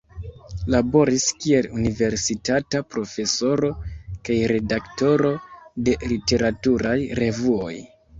Laboris kiel universitata profesoro kaj redaktoro de literaturaj revuoj.